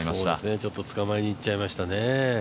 ちょっと、つかまえにいっちゃいましたね。